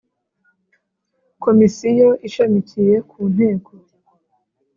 Komisiyo ishamikiye ku Nteko